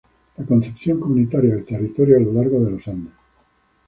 la concepción comunitaria del territorio a lo largo de los Andes